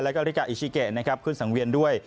แล้วก็ริกาอิชิเกนะครับขึ้นสังเวียนด้วย